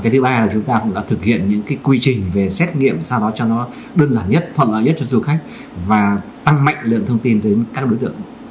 thứ ba là chúng ta cũng đã thực hiện những quy trình về xét nghiệm sau đó cho nó đơn giản nhất thuận lợi nhất cho du khách và tăng mạnh lượng thông tin tới các đối tượng